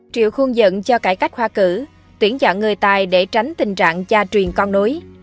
triệu khuôn dẫn cho cải cách hoa cử tuyển chọn người tài để tránh tình trạng cha truyền con nối